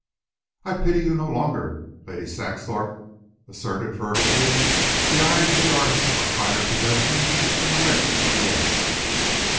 "I pity you no longer," Lady Saxthorpe asserted fervently. "The eyes of the artist are a finer possession than the limbs of the athlete."